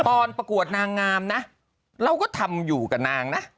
ประกวดนางงามนะเราก็ทำอยู่กับนางนะ